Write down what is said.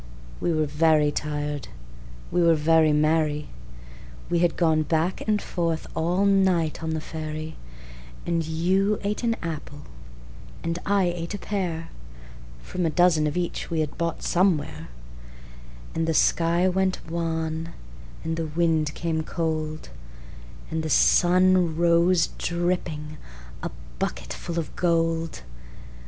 We were very tired, we were very merry We had gone back and forth all night on the ferry, And you ate an apple, and I ate a pear, From a dozen of each we had bought somewhere; And the sky went wan, and the wind came cold, And the sun rose dripping, a bucketful of gold.